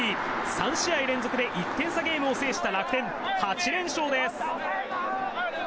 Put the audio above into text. ３試合連続で１点差ゲームを制した楽天、８連勝です。